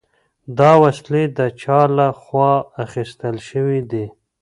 دا وسلې د چا له خوا اخیستل شوي دي؟